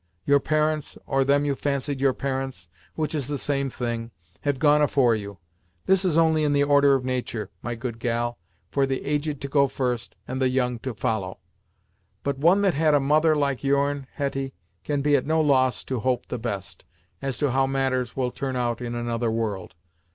Your parents, or them you fancied your parents, which is the same thing, have gone afore you; this is only in the order of natur', my good gal, for the aged go first, and the young follow. But one that had a mother like your'n, Hetty, can be at no loss to hope the best, as to how matters will turn out in another world.